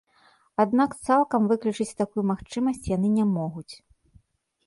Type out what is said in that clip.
Аднак цалкам выключыць такую магчымасць яны не могуць.